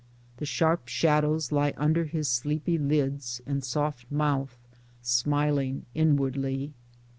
The sharp shadows lie under his sleepy lids and soft mouth smiling inwardly.